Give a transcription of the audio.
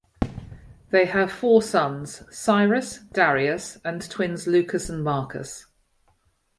They have four sons: Cyrus, Darius, and twins Lucas and Marcus.